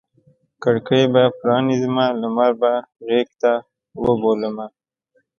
کړکۍ به پرانیزمه لمر به غیږته وبولمه